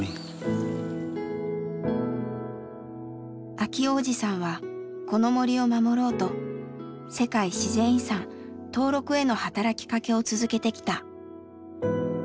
明男おじさんはこの森を守ろうと世界自然遺産登録への働きかけを続けてきた。